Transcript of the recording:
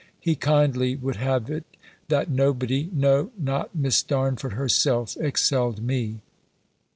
He kindly would have it, that nobody, no, not Miss Darnford herself, excelled me.